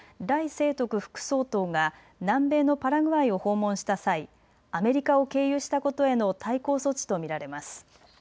清徳副総統が南米のパラグアイを訪問した際、アメリカを経由したことへの対抗措置と見られます。